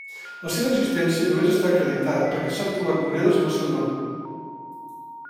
La seva existència només està acreditada perquè s'han trobat monedes amb el seu nom.